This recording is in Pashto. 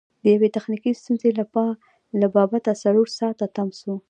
د یوې تخنیکي ستونزې له با بته څلور ساعته تم سو.